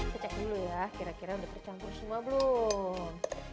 saya cek dulu ya kira kira udah tercampur semua belum